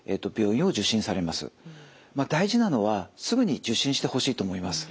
大事なのはすぐに受診してほしいと思います。